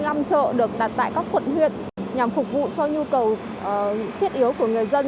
có bốn trăm năm mươi năm chợ được đặt tại các quận huyện nhằm phục vụ cho nhu cầu thiết yếu của người dân